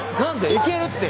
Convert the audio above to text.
いけるって！